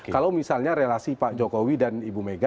kalau misalnya relasi pak jokowi dan pak jokowi berdua